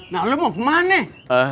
nah lu mau kemana nih